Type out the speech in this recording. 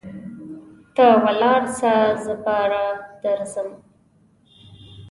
ته ولاړسه زه باره درځم.